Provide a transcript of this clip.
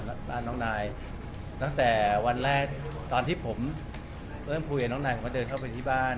ต่อไปก็จะเป็นทุกสิ่งในชีวิตของนายเหมือนกัน